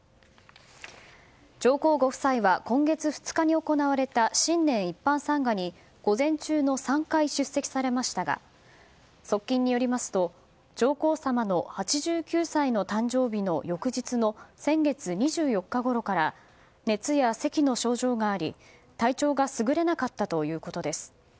上皇ご夫妻は今月２日に行われた新年一般参賀に午前中の３回出席されましたが側近によりますと上皇さまの８９歳の誕生日の翌日の、先月２４日ごろから熱やせきの症状があり体調がすぐれなかったということです。